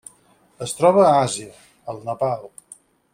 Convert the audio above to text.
Es troba a Àsia: el Nepal.